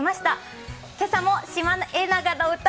今朝も「シマエナガの歌」